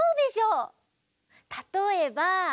たとえば。